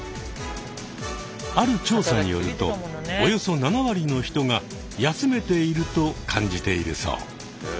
ある調査によるとおよそ７割の人が休めていると感じているそう。